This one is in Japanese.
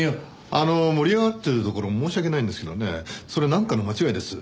あの盛り上がってるところ申し訳ないんですけどねそれなんかの間違いです。